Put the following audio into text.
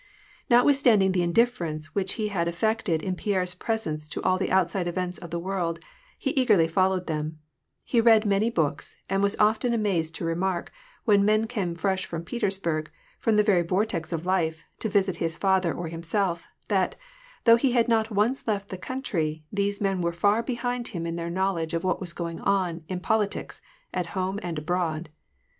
Notwithstanding the indifference which he had affected in Pierre's presence to all the outside events of the world, he eagerly followed them : he read many books, and was often amazed to remark when men came fresh from Petersburg, from the very vortex of life, to visit his father or himself, that, though iie had not once left the country, these men were far behind him in their knowledge of what was going on in pol itics at home a id abroad.